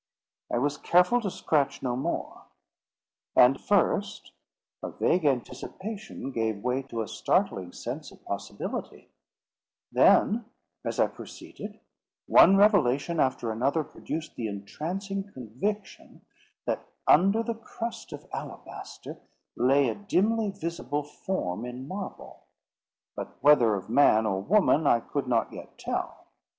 I was careful to scratch no more. And first, a vague anticipation gave way to a startling sense of possibility; then, as I proceeded, one revelation after another produced the entrancing conviction, that under the crust of alabaster lay a dimly visible form in marble, but whether of man or woman I could not yet tell.